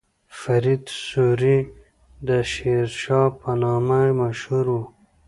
فرید سوري د شیرشاه په نامه مشهور و.